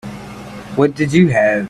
What did you have?